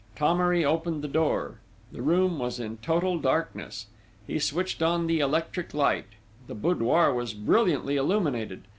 Thomery opened the door. The room was in total darkness. He switched on the electric light: the boudoir was brilliantly illuminated....